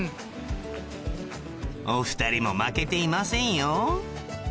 お２人も負けていませんよ